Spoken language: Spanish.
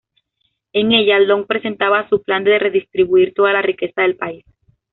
En ella, Long presentaba su plan de redistribuir toda la riqueza del país.